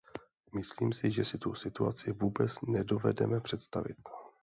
Myslím si, že si tu situaci vůbec nedovedeme představit.